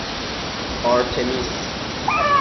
آرتِمیس